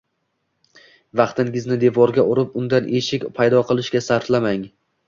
Vaqtingizni devorga urib, undan eshik paydo qilishga sarflamang